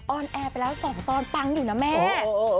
อนแอร์ไปแล้ว๒ตอนปังอยู่นะแม่